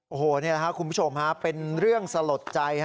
โอ้โหนี่แหละครับคุณผู้ชมเป็นเรื่องสลดใจ